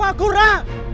jawab aku ra